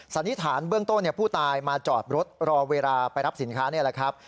สันนิษฐานเบื้องต้นผู้ตายมาจอดรถรอเวลาไปรับสินค้านี่แหละครับ